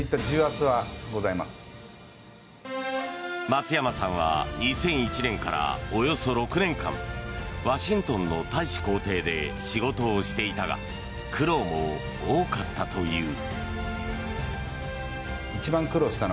松山さんは２００１年からおよそ６年間ワシントンの大使公邸で仕事をしていたが苦労も多かったという。